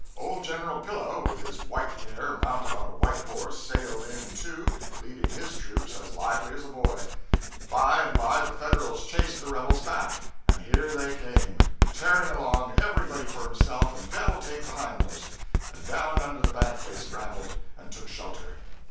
Old General Pillow, with his white hair, mounted on a white horse, sailed in, too, leading his troops as lively as a boy. By and by the Federals chased the rebels back, and here they came! tearing along, everybody for himself and Devil take the hindmost! and down under the bank they scrambled, and took shelter.